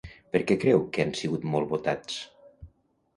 Per què creu que han sigut molt votats?